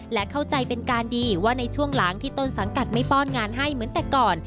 และเข้าใจเป็นการดีว่าในช่วงหลังที่ต้นสังกัดไม่ป้อนงานให้เหมือนแต่ก่อน